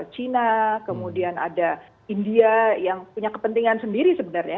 china kemudian ada india yang punya kepentingan sendiri sebenarnya